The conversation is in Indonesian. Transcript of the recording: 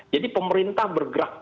jadi pemerintah bergerak terus